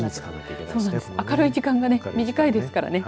明るい時間が短いですからね。